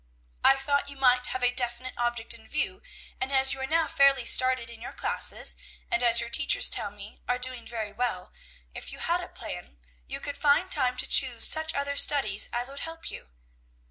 "I thought you might have a definite object in view; and as you are now fairly started in your classes, and, as your teachers tell me, are doing very well, if you had a plan, you could find time to choose such other studies as would help you."